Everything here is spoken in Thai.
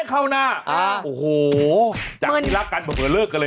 เออแล้วเรามาปิด